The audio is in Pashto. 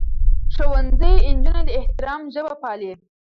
ښوونځی نجونې د احترام ژبه پالي.